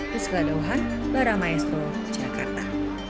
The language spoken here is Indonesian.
berseladuhan para maestro jakarta